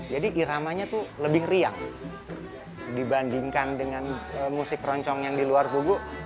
jadi iramanya itu lebih riang dibandingkan dengan musik keroncong yang di luar tugu